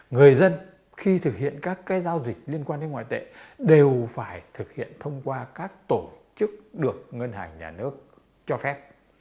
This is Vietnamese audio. người dân khi thực hiện các giao dịch liên quan đến ngoại tệ đều phải thực hiện thông qua các tổ chức được ngân hàng nhà nước cho phép